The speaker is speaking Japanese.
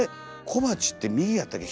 小鉢って右やったっけ？